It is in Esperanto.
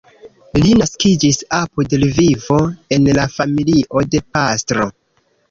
Li naskiĝis apud Lvivo en la familio de pastro.